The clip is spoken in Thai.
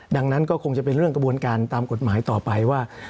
ดังนั้นก็คงจะเป็นเรื่องกระบวนการตามกฎหมายต่อไปว่า